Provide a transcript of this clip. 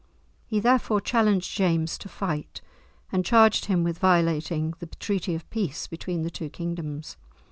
He therefore challenged James to fight, and charged him with violating the treaty of peace between the two kingdoms.